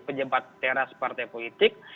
pejabat teras partai politik